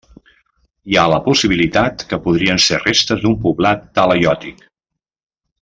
Hi ha la possibilitat que podrien ser restes d'un poblat talaiòtic.